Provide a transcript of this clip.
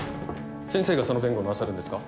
先生がその弁護をなさるんですか？